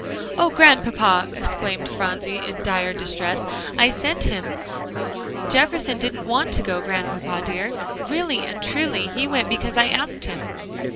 "Oh, Grandpapa!" exclaimed Phronsie in dire distress, "I sent him; Jefferson didn't want to go, Grandpapa dear, really and truly, he went because I asked him."